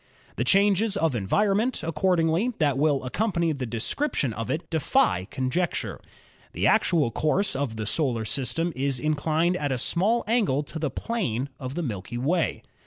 The changes of envifonment, accordingly, that will accompany the description of it defy conjecture. The actual course of the solar system is inclined at a small angle to the plane of the Milky Way.